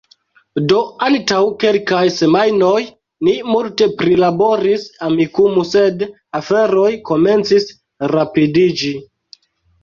Do, antaŭ kelkaj semajnoj ni multe prilaboris Amikumu, sed aferoj komencis rapidiĝi